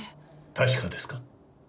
確かですか？